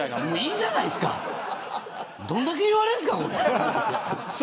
いいじゃないですかどんだけ言われるんすか。